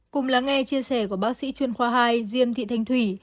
cùng lắng nghe chia sẻ của bác sĩ chuyên khoa hai diêm thị thanh thủy